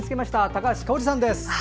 高橋香央里さんです。